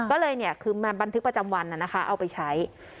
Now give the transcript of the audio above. ก็เลยเนี่ยคือมาบันทึกประจำวันนะคะเอาไปใช้